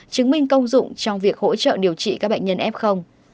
chứng minh công dụng trong việc hỗ trợ điều trị các bệnh nhân f